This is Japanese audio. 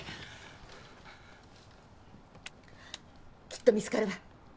きっと見つかるわ。